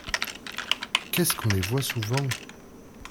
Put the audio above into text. Qu’est-ce qu’on les voit souvent !